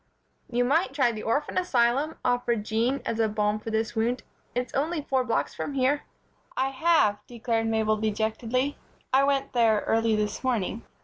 "You might try the orphan asylum," offered Jean, as balm for this wound. "It's only four blocks from here." "I have," returned Mabel, dejectedly. "I went there early this morning."